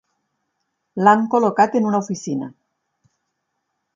L'han col·locat en una oficina.